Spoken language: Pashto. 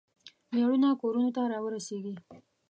میړونه کورونو ته راورسیږي.